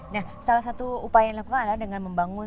nah salah satu upaya yang dilakukan adalah dengan membangun